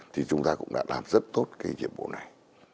thì chúng ta cũng đã làm rất tốt cái nhiệm vụ này